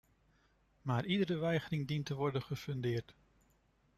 Maar iedere weigering dient te worden gefundeerd.